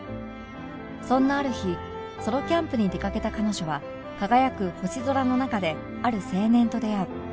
そんなある日ソロキャンプに出掛けた彼女は輝く星空の中である青年と出会う